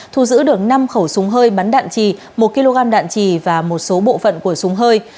thu giữ được năm khẩu súng hơi bắn đạn trì một kg đạn trì và một số bộ phận của súng hơi